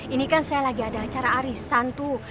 ini kan saya lagi ada acara arisan tuh